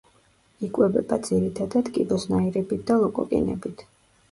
იკვებება ძირითადად კიბოსნაირებით და ლოკოკინებით.